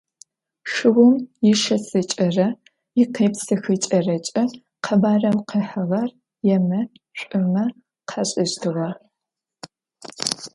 Шыум ишэсыкӏэрэ икъепсыхыкӏэрэкӏэ къэбарэу къыхьыгъэр емэ, шӏумэ къашӏэщтыгъэ.